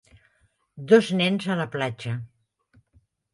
Dos nens a la platja.